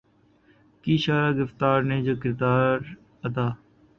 کی شعلہ گفتاری نے جو کردار ادا